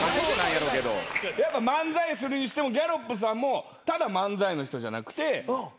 やっぱ漫才するにしてもギャロップさんもただ漫才の人じゃなくてはげてるとか。